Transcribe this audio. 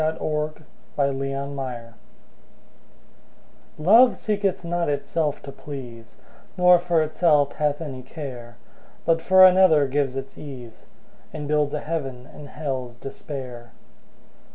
'' The Clod and the Pebble ``Love seeketh not Itself to please, Nor for itself hath any care, But for another gives its ease, And builds a Heaven in Hell's despair.''